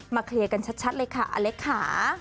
เคลียร์กันชัดเลยค่ะอเล็กค่ะ